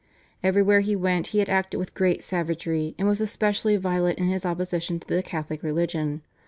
Everywhere he went he had acted with great savagery, and was especially violent in his opposition to the Catholic religion.